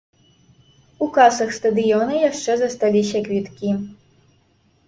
У касах стадыёна яшчэ засталіся квіткі.